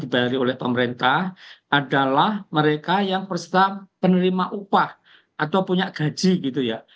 dibayar oleh pemerintah adalah mereka yang peserta penerima upah atau punya gaji gitu ya